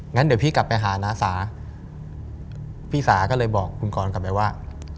งั้นเดี๋ยวพี่กลับไปหาน้าสาพี่สาก็เลยบอกคุณกรกลับไปว่า